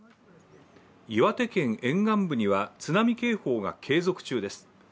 岩手県沿岸部には津波警報が継続中です。